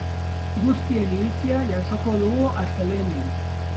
Guztien iritzia jasoko dugu astelehenean.